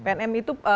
pnm pnm itu